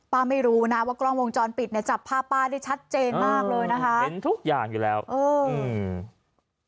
ไม่รู้นะว่ากล้องวงจรปิดเนี่ยจับผ้าป้าได้ชัดเจนมากเลยนะคะเห็นทุกอย่างอยู่แล้วเอออืม